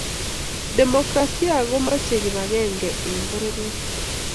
demokrasia komechee kibakengee eng pororiet.